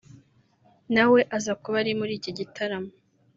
nawe aza kuba ari muri iki gitaramo